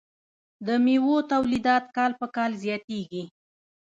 د میوو تولیدات کال په کال زیاتیږي.